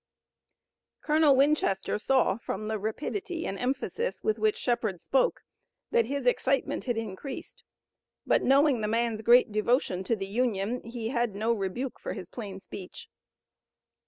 Colonel Winchester saw from the rapidity and emphasis with which Shepard spoke that his excitement had increased, but knowing the man's great devotion to the Union he had no rebuke for his plain speech.